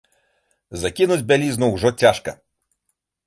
Закінуць бялізну ўжо цяжка.